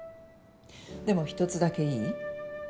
でも１つだけいい？